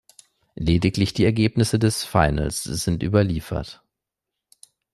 Lediglich die Ergebnisse des Finals sind überliefert.